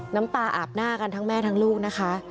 น้ำตาอาบหน้ากันทั้งแม่ทั้งลูกนะคะ